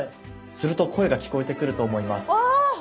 すると声が聞こえてくると思います。